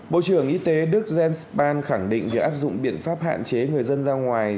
bộ trưởng y tế đức jens span khẳng định việc áp dụng biện pháp hạn chế người dân ra ngoài